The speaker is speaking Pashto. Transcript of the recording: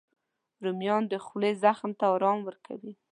رومیان د خولې زخم ته ارام ورکوي